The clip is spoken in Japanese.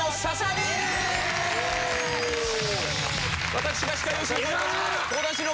私が司会を進行致します